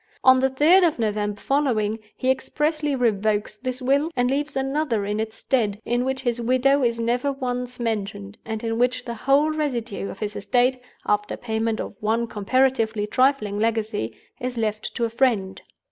On the third of November following, he expressly revokes this will, and leaves another in its stead, in which his widow is never once mentioned, and in which the whole residue of his estate, after payment of one comparatively trifling legacy, is left to a friend.